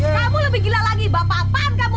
kamu lebih gila lagi bapak pan kamu